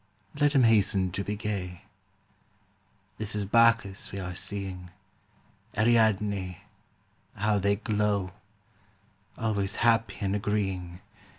Let him hasten to be gay ! This is Bacchus we are seeing, Ariadne — ^how they glow I Always happy and agreeing.